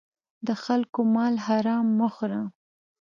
د خلکو مال حرام مه خوره.